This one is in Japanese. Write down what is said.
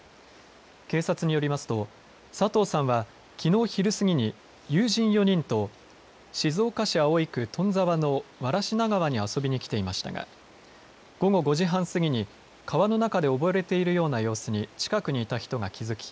警察によりますと佐藤さんはきのう昼過ぎに友人４人と静岡市葵区富沢の藁科川に遊びに来ていましたが午後５時半過ぎに川の中で溺れているような様子に近くにいた人が気付き